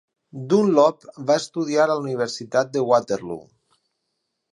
Dunlop va estudiar a la Universitat de Waterloo.